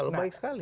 lebih baik sekali